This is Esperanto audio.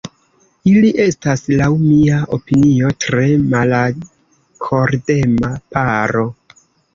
Ili estas, laŭ mia opinio, tre malakordema paro.